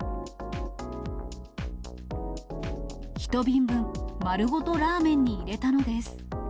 １瓶分、丸ごとラーメンに入れたのです。